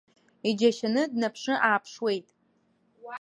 Иџьашьаны днаԥшы-ааԥшуеит.